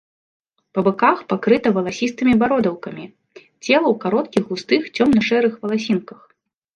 Па баках пакрыта валасістымі бародаўкамі, цела ў кароткіх густых цёмна-шэрых валасінках.